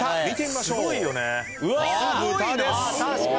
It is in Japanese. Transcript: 見てみましょう。